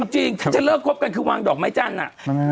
จริงจะเลิกคบกันคือวางดอกไม้จันทร์อะ